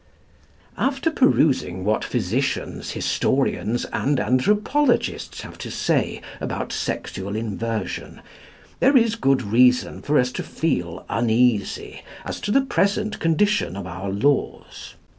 " After perusing what physicians, historians, and anthropologists have to say about sexual inversion, there is good reason for us to feel uneasy as to the present condition of our laws.